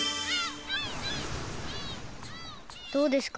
どうですか？